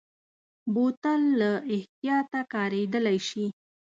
بوتل له احتیاطه کارېدلی شي.